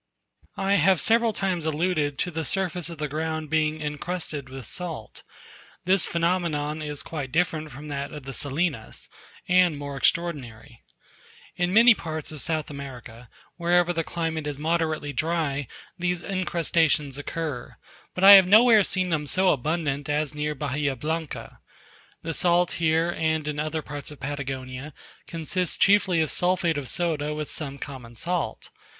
I have several times alluded to the surface of the ground being incrusted with salt. This phenomenon is quite different from that of the salinas, and more extraordinary. In many parts of South America, wherever the climate is moderately dry, these incrustations occur; but I have nowhere seen them so abundant as near Bahia Blanca. The salt here, and in other parts of Patagonia, consists chiefly of sulphate of soda with some common salt.